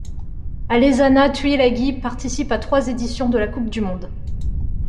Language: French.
Alesana Tuilagi participe à trois éditions de la coupe du monde.